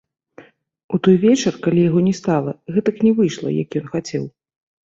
У той вечар, калі яго не стала, гэтак не выйшла, як ён хацеў.